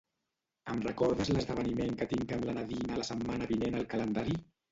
Em recordes l'esdeveniment que tinc amb la Nadina la setmana vinent al calendari?